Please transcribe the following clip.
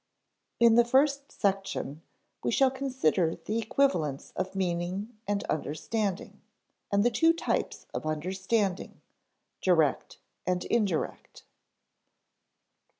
In the first section, we shall consider the equivalence of meaning and understanding, and the two types of understanding, direct and indirect.